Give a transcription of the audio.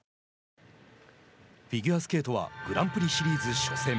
フィギュアスケートはグランプリシリーズ初戦。